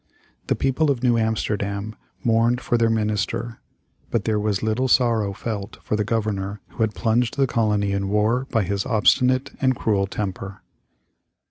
The people of New Amsterdam mourned for their minister, but there was little sorrow felt for the Governor who had plunged the colony in war by his obstinate and cruel temper.